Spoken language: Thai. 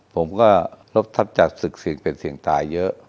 ผมก็รบทับจัดศึกศิลปุ่นเป็นศิงตายเยอะ